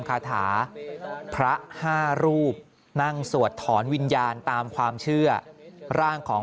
คาถาพระ๕รูปนั่งสวดถอนวิญญาณตามความเชื่อร่างของ